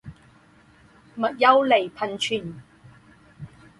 墨丘利喷泉。